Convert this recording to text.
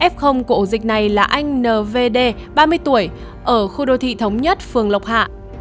f của ổ dịch này là anh n v d ba mươi tuổi ở khu đô thị thống nhất phường lộc hạ